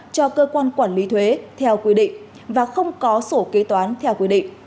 cho cơ quan quản lý thuế theo quy định và không có sổ kế toán theo quy định